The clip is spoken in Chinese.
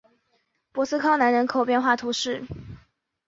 博斯康南人口变化图示